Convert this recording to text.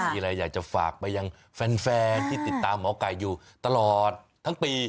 มีอะไรอยากจะฝากไปยังแฟนที่ติดตามหมอไก่อยู่ตลอดทั้งปี